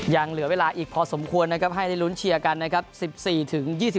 อย่างเหลือเวลาอีกพอสมควรให้รุ้นเชียร์กัน